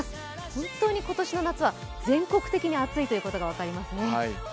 本当に今年の夏は全国的に暑いということが分かりますね。